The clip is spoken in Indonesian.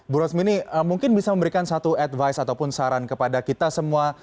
bu rosmini mungkin bisa memberikan satu advice ataupun saran kepada kita semua